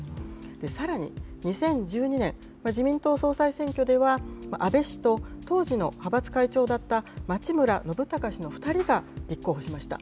さらに２０１２年、自民党総裁選挙では、安倍氏と当時の派閥会長だった町村信孝氏の２人が立候補しました。